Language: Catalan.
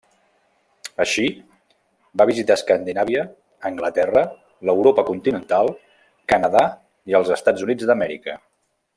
Així, va visitar Escandinàvia, Anglaterra, l'Europa continental, Canadà i els Estats Units d'Amèrica.